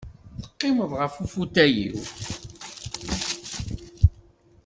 Teqqimeḍ ɣef ufutay-iw.